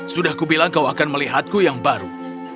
sudah kubilang kau akan melihatku yang baru